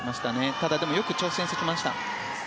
ただ、でもよく挑戦してきました。